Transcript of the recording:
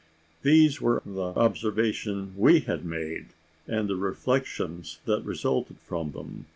These were the observations we had made, and the reflections that resulted from them.